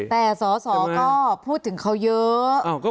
แต่สอสอก็พูดถึงเขาเยอะ